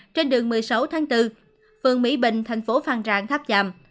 trên đường một mươi sáu tháng bốn phường mỹ bình thành phố phan rang tháp tràm